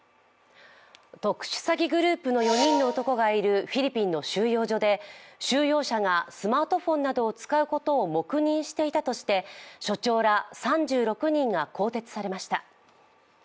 特殊詐欺グループの４人の男がいるフィリピンの収容所で収容者がスマートフォンなどを使うことを黙認していたとして所長ら３６人が更迭されました。